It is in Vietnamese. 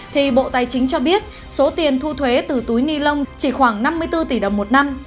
thì bộ tài chính cho biết số tiền thu thuế từ túi ni lông chỉ khoảng năm mươi bốn tỷ đồng một năm